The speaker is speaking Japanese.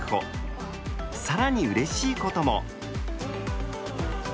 更にうれしいことも。